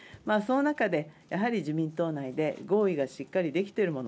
その中で、やはり自民党内で合意がしっかりできているもの